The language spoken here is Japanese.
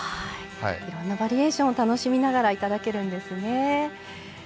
いろんなバリエーションを楽しみながらいただけるんですね。